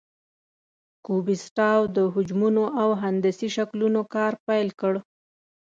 کوبیسټاو د حجمونو او هندسي شکلونو کار پیل کړ.